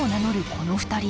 この２人。